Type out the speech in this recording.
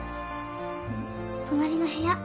隣の部屋。